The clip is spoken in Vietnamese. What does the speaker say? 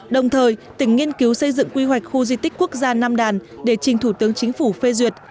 đồng thời tỉnh nghiên cứu xây dựng quy hoạch khu di tích quốc gia nam đàn để trình thủ tướng chính phủ phê duyệt